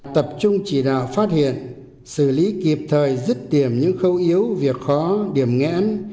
tập trung chỉ đạo phát hiện xử lý kịp thời giất tiềm những khâu yếu việc khó điểm nghẽn